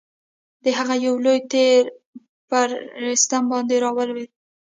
د هغه یو لوی تیر پر رستم باندي را ولوېد.